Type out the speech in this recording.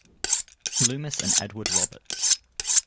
Loomis and Edward Roberts.